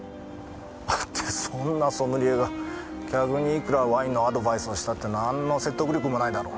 だってそんなソムリエが客にいくらワインのアドバイスをしたって何の説得力もないだろ。